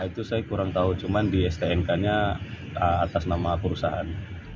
itu saya kurang tahu cuma di stnk nya atas nama perusahaan